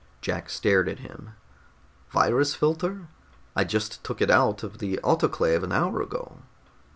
Jack stared at him. "Virus filter? I just took it out of the autoclave an hour ago."